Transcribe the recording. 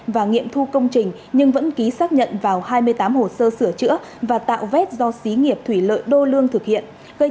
và nghiệm thu công trình nhưng vẫn ký xác nhận vào hai mươi tám hồ sơ sửa chữa và tạo vết do xí nghiệp thủy lợi đô lương thực hiện